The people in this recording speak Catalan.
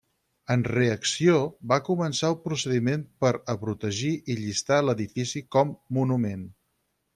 En reacció, va començar el procediment per a protegir i llistar l'edifici com monument.